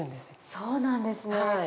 そうなんですね。